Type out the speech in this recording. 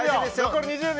残り２０秒。